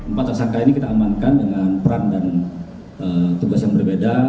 empat tersangka ini kita amankan dengan peran dan tugas yang berbeda